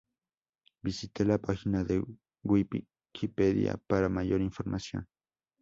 Visite la página en Wikipedia, para mayor información.